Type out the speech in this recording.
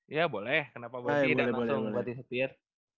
ya boleh kenapa berhenti dan langsung berhenti setir